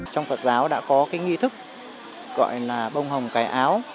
trong phật giáo đã có cái nghi thức gọi là bông hồng cài áo